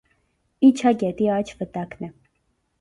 Իչա գետի աջ վտակն է։